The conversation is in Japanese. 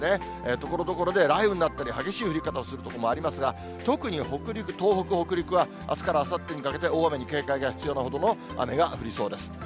ところどころで雷雨になったり、激しい降り方をする所もありますが、特に北陸、東北、北陸はあすからあさってにかけて、大雨に警戒が必要なほどの雨が降りそうです。